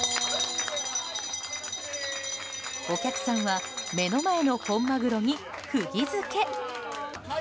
お客さんは目の前の本マグロに釘付け。